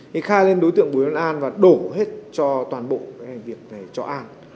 thì khai lên đối tượng bùi văn an và đổ hết cho toàn bộ cái việc này cho an